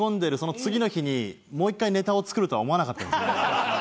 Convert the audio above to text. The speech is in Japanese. もう１回ネタを作るとは思わなかったですね。